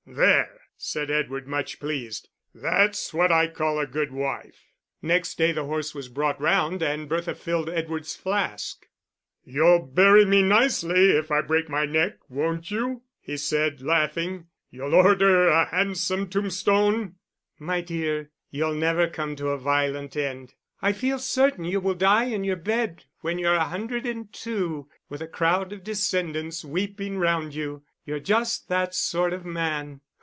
"There," said Edward, much pleased, "that's what I call a good wife." Next day the horse was brought round and Bertha filled Edward's flask. "You'll bury me nicely if I break my neck, won't you?" he said, laughing. "You'll order a handsome tombstone." "My dear, you'll never come to a violent end. I feel certain you will die in your bed when you're a hundred and two, with a crowd of descendants weeping round you. You're just that sort of man."